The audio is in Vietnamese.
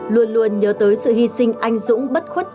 luôn luôn nhớ tới sự hy sinh anh dũng bất khuất